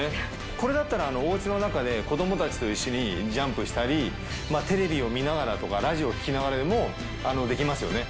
これだったらお家の中で子供たちと一緒にジャンプしたりテレビを見ながらとかラジオを聴きながらでもできますよね。